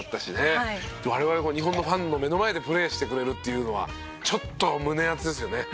「我々日本のファンの目の前でプレーしてくれるっていうのはちょっと胸熱ですよね」